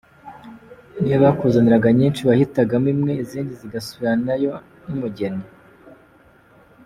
niyo bakuzaniraga nyinshi, wahitagamo imwe izindi zikazasubiranayo n’umugeni.